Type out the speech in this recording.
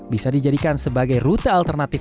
bisa dijadikan sebagai rute alternatif